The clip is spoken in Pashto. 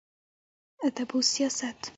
ادب او سياست: